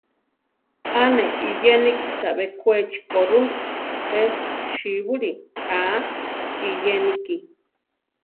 ‘A ne iyéniki chabé Kwéchi ko rʼu; pe síbuli aa iyéniki.